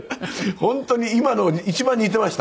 本当に今の一番似ていました。